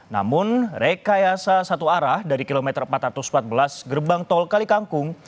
namun rekayasa satu arah dari kilometer empat ratus empat belas gerbang tol kalikangkung